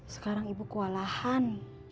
sekarang ibu kewalahan